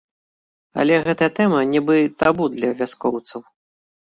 Але гэтая тэма нібы табу для вяскоўцаў.